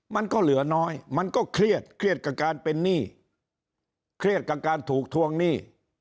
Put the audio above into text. มันก็เหลือน้อยมันก็เครียดเครียดกับการเป็นหนี้เครียดกับการถูกทวงหนี้